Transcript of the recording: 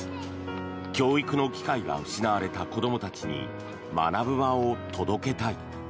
教育の機会が失われた子どもたちに学ぶ場を届けたい。